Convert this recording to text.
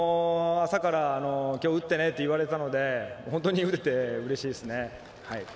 朝から、きょう打ってねと言われたので打ててうれしいです。